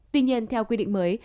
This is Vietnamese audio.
tuy nhiên theo quy định mới